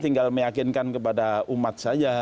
tinggal meyakinkan kepada umat saja